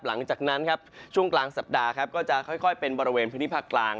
หลังจากนั้นครับช่วงกลางสัปดาห์ครับก็จะค่อยเป็นบริเวณพื้นที่ภาคกลาง